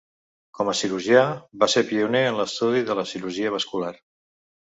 Com a cirurgià va ser pioner en l'estudi de la cirurgia vascular.